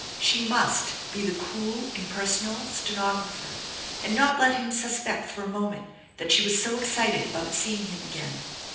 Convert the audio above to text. She must be the cool, impersonal stenographer, and not let him suspect for a moment that she was so excited about seeing him again.